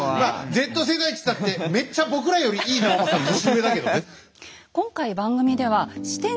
Ｚ世代っつったってめっちゃ僕らより井伊直政年上だけどね。